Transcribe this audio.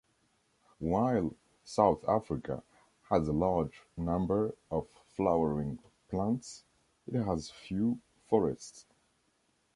While South Africa has a large number of flowering plants, it has few forests.